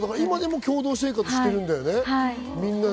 今も共同生活してるんだよね？